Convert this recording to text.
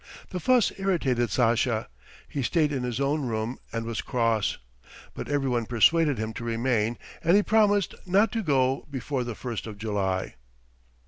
The fuss irritated Sasha; he stayed in his own room and was cross, but everyone persuaded him to remain, and he promised not to go before the first of July.